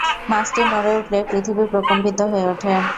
মাছটি নড়ে উঠলে পৃথিবী প্রকম্পিত হয়ে ওঠে।